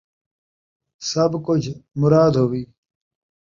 سبھ کجھ مراد ہووی